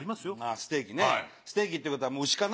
ステーキねステーキってことは牛かな？